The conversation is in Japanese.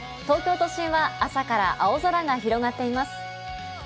東京都心は朝から青空が広がっています。